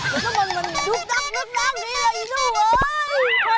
ก็มา